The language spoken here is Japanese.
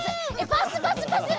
パスパスパスパス！